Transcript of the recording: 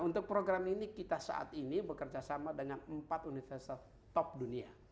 untuk program ini kita saat ini bekerja sama dengan empat universitas top dunia